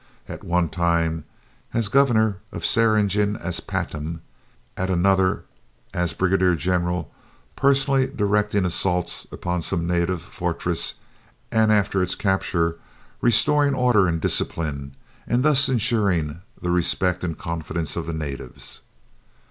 At one time, as Governor of Seringapatam; at another as Brigadier General, personally directing assaults upon some native fortress, and, after its capture, restoring order and discipline, and thus ensuring the respect and confidence of the natives.